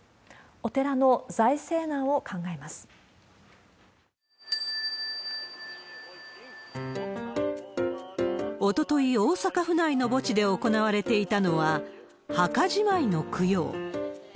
お寺おととい、大阪府内の墓地で行われていたのは墓じまいの供養。